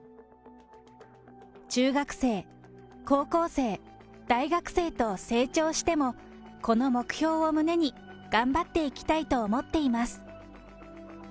中学生、高校生、大学生と成長してもこの目標を胸に、頑張っていきたいと思っています。